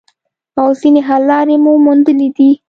او ځینې حل لارې مو موندلي دي